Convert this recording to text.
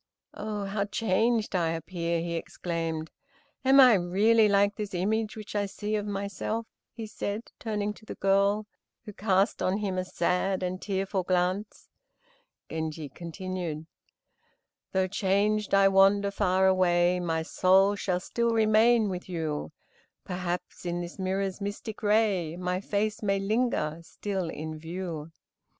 "Oh, how changed I appear," he exclaimed. "Am I really like this image which I see of myself?" he said, turning to the girl, who cast on him a sad and tearful glance. Genji continued: "Though changed I wander far away, My soul shall still remain with you, Perhaps in this mirror's mystic ray, My face may linger still in view."